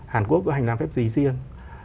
hàn quốc có hành lang phép lý riêng